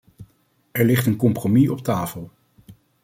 Er ligt een compromis op tafel.